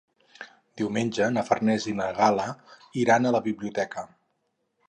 Diumenge na Farners i na Gal·la iran a la biblioteca.